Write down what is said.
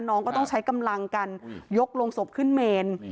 น้องก็ต้องใช้กำลังกันยกโรงศพขึ้นเมน